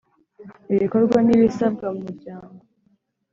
ibikorwa n ibisabwa mu Muryango